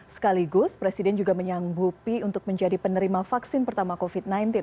sekaligus presiden juga menyanggupi untuk menjadi penerima vaksin pertama covid sembilan belas